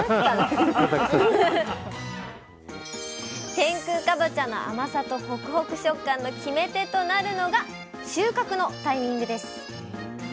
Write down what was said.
天空かぼちゃの甘さとホクホク食感の決め手となるのが収穫のタイミングです。